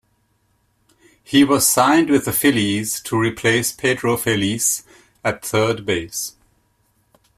He was signed with the Phillies to replace Pedro Feliz at third base.